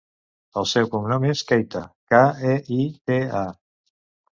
El seu cognom és Keita: ca, e, i, te, a.